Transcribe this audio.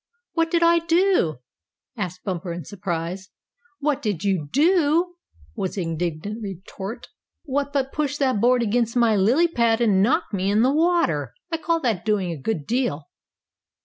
"What did I do?" asked Bumper, in surprise. "What did you do?" was the indignant retort. "What but push that board against my lily pad and knock me in the water! I call that doing a good deal."